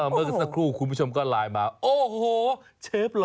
เมื่อสักครู่คุณผู้ชมก็ไลน์มาโอ้โหเชฟหล่อ